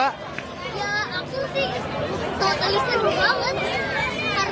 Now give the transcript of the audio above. ya aku sih totalisnya beruang banget